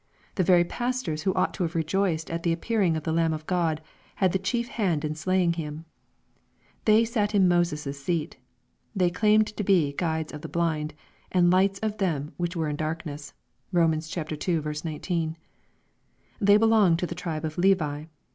The very pastors who ought to have rejoiced at the appearing of the Lamb of Grod, had the chief hand in slaying Him They sat in Moses' seat. They claimed to be " guides of the blind," and "lights of them which were in darkness." (Rom.ii, 19.) They belonged to the tribe of Levi.